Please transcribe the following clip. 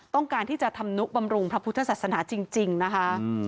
ต้องการที่จะทำนุบำรุงพระพุทธศาสนาจริงนะคะ